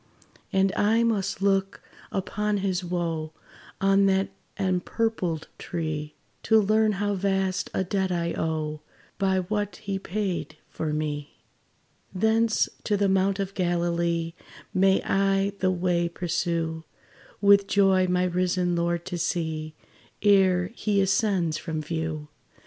And I must look upon his wo, On that empurpled tree, To learn how vast a debt I owe, By what he paid for me. Thence to the mount of Galilee May I the way pursue, With joy my risen Lord to see, Ere he ascends from view.